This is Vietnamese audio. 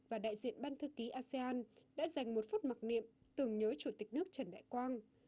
và đại diện ban thư ký asean đã dành một phút mặc niệm tưởng nhớ chủ tịch nước trần đại quang